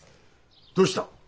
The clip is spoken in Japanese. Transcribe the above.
どうした？